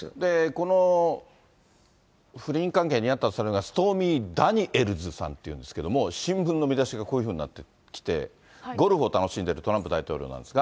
この不倫関係にあったとされるのがストーミー・ダニエルズさんっていうんですけれども、新聞の見出しがこういうふうになってきて、ゴルフを楽しんでいるトランプ大統領なんですが。